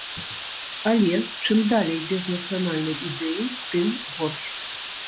Але, чым далей без нацыянальнай ідэі, тым горш.